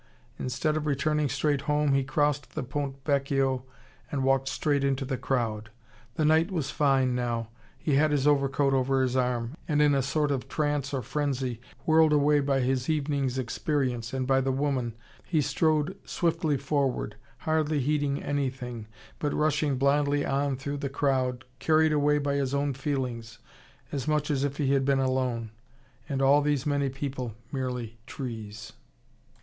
Instead of returning straight home, he crossed the Ponte Vecchio and walked straight into the crowd. The night was fine now. He had his overcoat over his arm, and in a sort of trance or frenzy, whirled away by his evening's experience, and by the woman, he strode swiftly forward, hardly heeding anything, but rushing blindly on through all the crowd, carried away by his own feelings, as much as if he had been alone, and all these many people merely trees.